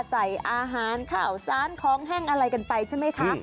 ใส่อาหารข้าวสารของแห้งอะไรกันไปใช่ไหมคะ